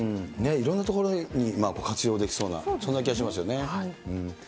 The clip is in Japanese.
いろんなところに活用できそうな、そんな気がしますよね。